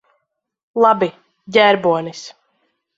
Labi. Ģērbonis.